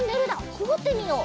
くぐってみよう。